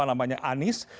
setelah mendukung anies